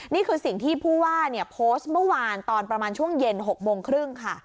นี่คือสิ่งที่ผู้ว่าโพสต์เมื่อวานตอนประมาณช่วงเย็น๖โมงครึ่งค่ะ